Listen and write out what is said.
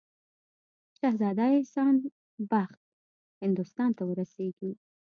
شهزاده احسان بخت هندوستان ته ورسیږي.